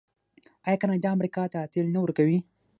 آیا کاناډا امریکا ته تیل نه ورکوي؟